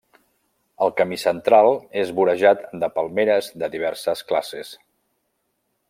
El camí central és vorejat de palmeres de diverses classes.